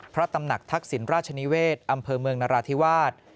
พระตำหนักทักษิณราชนิเวศอำเภอเมืองนราธิวาส